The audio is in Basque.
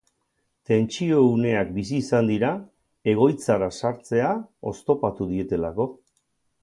Tentsio uneak bizi izan dira, egoitzara sartzea oztopatu dietelako.